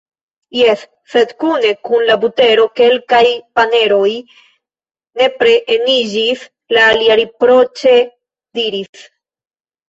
"Jes, sed kune kun la butero kelkaj paneroj nepre eniĝis," la alia riproĉe diris.